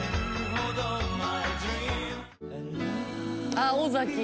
あっ尾崎豊。